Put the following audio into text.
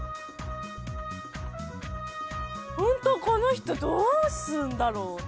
この人どうすんだろう？